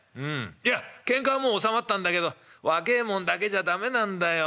いやけんかはもう収まったんだけど若えもんだけじゃ駄目なんだよ。